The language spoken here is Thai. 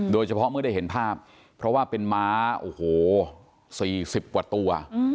เมื่อได้เห็นภาพเพราะว่าเป็นม้าโอ้โห๔๐กว่าตัว